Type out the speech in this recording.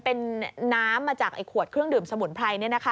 เป็นน้ำมาจากขวดเครื่องดื่มสมุนไพร